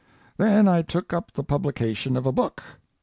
Then I took up the publication of a book.